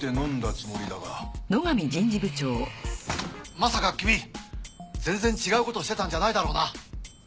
まさかキミ全然違うことしてたんじゃないだろうな！？